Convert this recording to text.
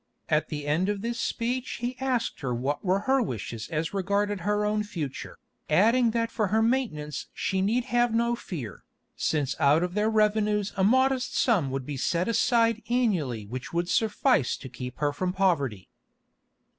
At the end of this speech he asked her what were her wishes as regarded her own future, adding that for her maintenance she need have no fear, since out of their revenues a modest sum would be set aside annually which would suffice to keep her from poverty.